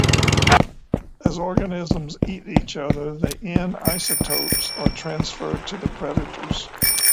As organisms eat each other, the N isotopes are transferred to the predators.